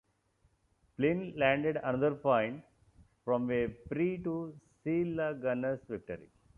Flynn landed another point from a free to seal the Gunners victory.